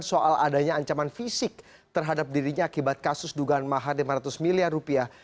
soal adanya ancaman fisik terhadap dirinya akibat kasus dugaan mahar lima ratus miliar rupiah